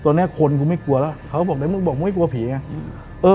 ตอนนี้คนกูไม่กลัวแล้วเขาก็บอกเดี๋ยวมึงบอกมึงไม่กลัวผีไง